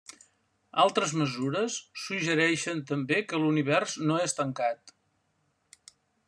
Altres mesures suggereixen també que l'univers no és tancat.